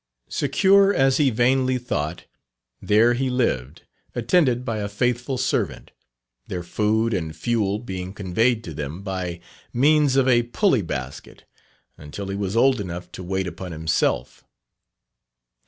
Secure, as he vainly thought, there he lived, attended by a faithful servant, their food and fuel being conveyed to them by means of a pully basket, until he was old enough to wait upon himself.